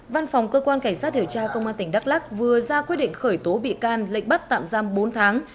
văn phòng cơ quan cảnh sát điều tra công an tỉnh đắk lắc vừa ra quyết định khởi tố bị can lệnh bắt tạm giam bốn tháng